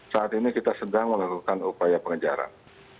saat ini kita sedang melakukan upaya pengejaran